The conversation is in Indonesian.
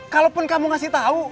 kalaupun kamu ngasih tau